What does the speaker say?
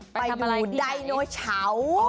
ไปดูดายโนเสาร์